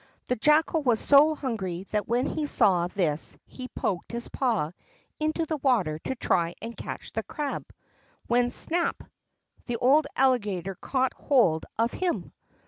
The Jackal was so hungry that when he saw this he poked his paw into the water to try and catch the crab, when snap! the old Alligator caught hold of him.